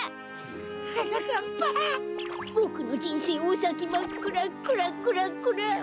ボクのじんせいおさきまっくらクラクラクラ。